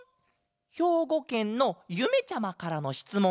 ひょうごけんのゆめちゃまからのしつもんだケロ。